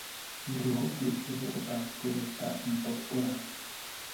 Druhou klíčovou otázkou je státní podpora.